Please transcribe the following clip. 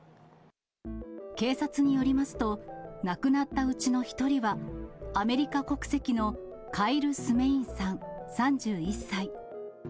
警察によりますと、亡くなったうちの１人は、アメリカ国籍のカイル・スメインさん３１歳。